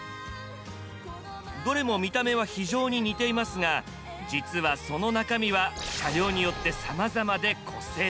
どれも見た目は非常に似ていますが実はその中身は車両によってさまざまで個性的。